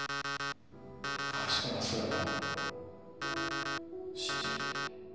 林君がそう言うなら信じる。